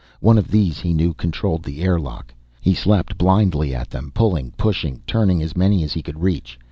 One of these, he knew, controlled the airlock. He slapped blindly at them, pulling, pushing, turning as many as he could reach.